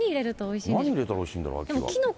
何入れたらおいしいんだろう。